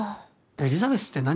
エリザベスって何？